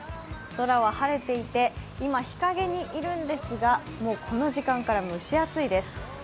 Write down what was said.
空は晴れていて、今、日陰にいるんですがもうこの時間から蒸し暑いです。